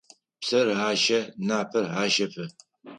Псэр ащэ, напэр ащэфы.